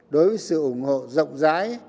đối với sự ủng hộ rộng rãi